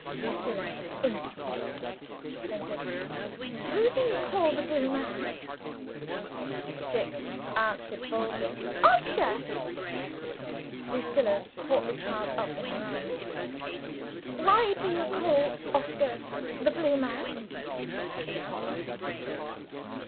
Lucilla instantly stopped, and said, "Who do you call 'The Blue Man'?" Jicks answered boldly, "Oscar." Lucilla caught the child up in her arms. "Why do you call Oscar 'The Blue Man'?" she asked.